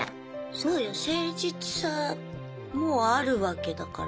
そうよ誠実さもあるわけだから。